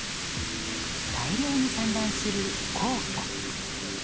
大量に散乱する硬貨。